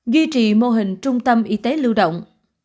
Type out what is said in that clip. duy trì mô hình trung tâm y tế lưu động